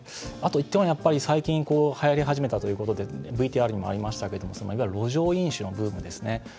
あと１点は最近、はやり始めたということでＶＴＲにもありましたけど路上飲酒のブーム